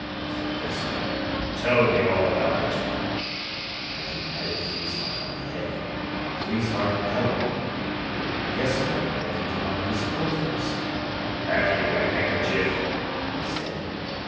said Gessler; "tell me all about it." [Illustration: PLATE IX] And he patted Friesshardt on the head. Friesshardt bellowed. Gessler beckoned to one of his courtiers. "Have you a handkerchief?" he said.